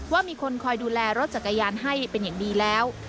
ว่ามีคนคอยดูแลรถจักรยานให้เป็นอย่างดีแล้ว